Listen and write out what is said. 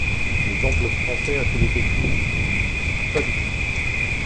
L’exemple français a-t-il été suivi ? Pas du tout.